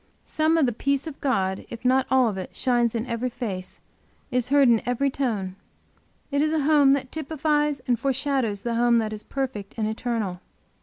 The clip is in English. Some of the peace of God if not all of it, shines in every face, is heard in every tone. It is a home that typifies and foreshadows the home that is perfect and eternal.